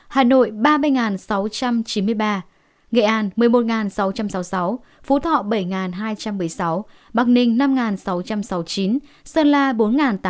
hà nội ba mươi sáu trăm chín mươi ba nghệ an một mươi một sáu trăm sáu mươi sáu phú thọ bảy hai trăm một mươi sáu bắc ninh năm sáu trăm sáu mươi chín sơn la bốn tám trăm linh